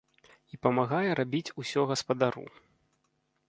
І памагае рабіць усё гаспадару.